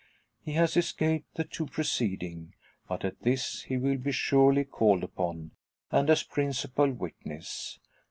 He has escaped the two preceding; but at this he will be surely called upon, and as principal witness.